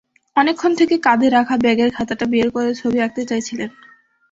অনেকক্ষণ থেকে কাঁধে রাখা ব্যাগের খাতাটা বের করে ছবি আঁকতে চাইছিলেন।